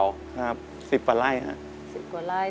๑๐ตัวรายครับ๑๐ตัวราย